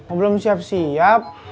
oh belum siap siap